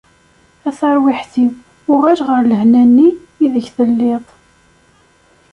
A tarwiḥt-iw, uɣal ɣer lehna nni ideg telliḍ.